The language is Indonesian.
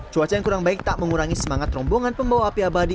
cuaca yang kurang baik tak mengurangi semangat rombongan pembawa api abadi